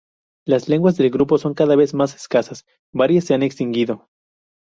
Las lenguas del grupo son cada vez más escasas; varias se han extinguido.